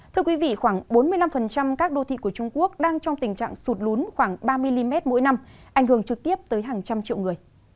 thưa quý vị khoảng bốn mươi năm các đô thị của trung quốc đang trong tình trạng sụt lún khoảng ba mm mỗi năm ảnh hưởng trực tiếp tới hàng trăm triệu người